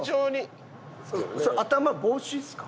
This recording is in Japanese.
それ頭帽子っすか？